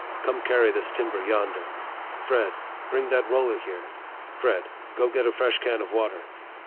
come carry this timber yonder." " Fred., bring that roller here." "Fred., go get a fresh can of water."